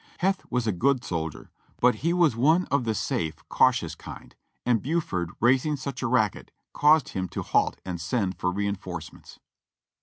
Heth was a good soldier, but he was one of the safe, cautious kind, and Buford raising such a racket caused him to halt and send for reinforcements.